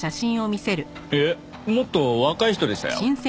いえもっと若い人でしたよ。